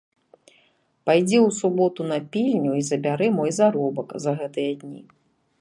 Пайдзі ў суботу на пільню і забяры мой заробак за гэтыя дні.